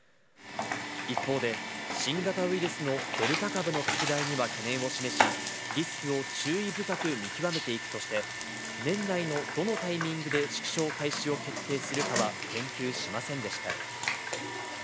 一方で、新型ウイルスのデルタ株の拡大には懸念を示し、リスクを注意深く見極めていくとして、年内のどのタイミングで縮小開始を決定するかは言及しませんでした。